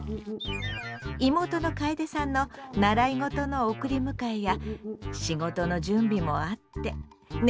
妹のかえでさんの習い事の送り迎えや仕事の準備もあってね